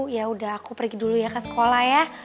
yaudah aku pergi dulu ya ke sekolah ya